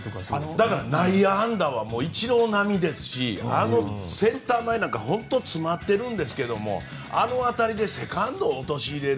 だから内野安打はイチロー並みですしセンター前なんか本当に詰まっているんですがあの当たりでセカンドを陥れる